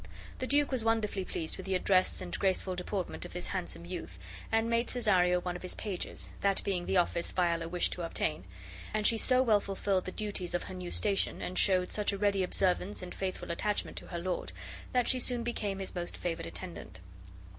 The duke was wonderfully pleased with the address and graceful deportment of this handsome youth, and made Cesario one of his pages, that being the office Viola wished to obtain; and she so well fulfilled the duties of her new station, and showed such a ready observance and faithful attachment to her lord, that she soon became his most favored attendant.